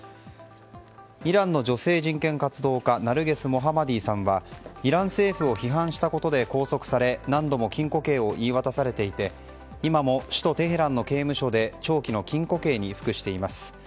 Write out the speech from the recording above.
イランの女性人権活動家ナルゲス・モハマディさんはイラン政府を批判したことで何度も禁固刑を言い渡されていて今も首都テヘランの刑務所で長期の禁固刑に服しています。